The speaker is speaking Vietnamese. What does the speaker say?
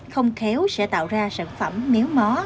không khéo sẽ tạo ra sản phẩm miếu mắt